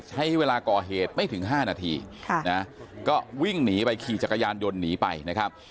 ใช้เวลาก่อเหตุไม่ถึง๕นาทีก็วิ่งหนีไปขี่จักรยานยนต์หนีไปนะครับ